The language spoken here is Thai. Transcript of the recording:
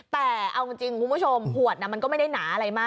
แต่เอาจริงคุณผู้ชมขวดมันก็ไม่ได้หนาอะไรมาก